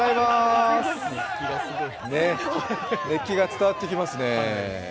熱気が伝わってきますね。